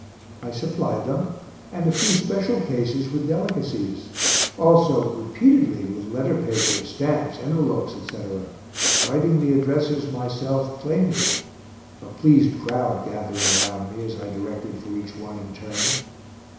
I supplied them, and a few special cases with delicacies; also repeatedly with letter paper, stamps, envelopes, etc., writing the addresses myself plainly (a pleased crowd gathering around me as I directed for each one in turn.)